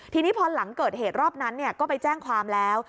ทีนี้พอหลังเกิดเหตุรอบนั้นก็ไปแจ้งความแล้ว